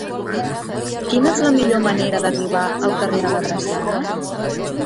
Quina és la millor manera d'arribar al carrer de la Drassana?